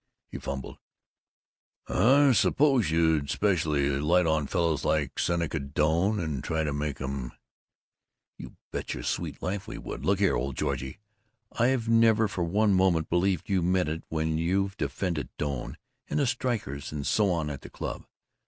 He fumbled: "I suppose you'd especially light on fellows like Seneca Doane and try to make 'em " "You bet your sweet life we would! Look here, old Georgie: I've never for one moment believed you meant it when you've defended Doane, and the strikers and so on, at the Club.